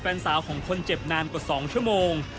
แฟนสาวของคนเจ็บนานกว่า๒ชั่วโมง